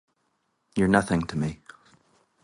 You're nothing to me.